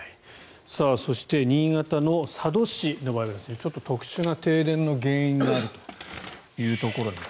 そして新潟の佐渡市の場合はちょっと特殊な停電の原因ということです。